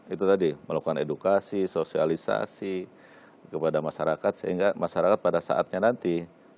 itu tadi melakukan edukasi sosialisasi kepada masyarakat sehingga masyarakat pada saatnya nanti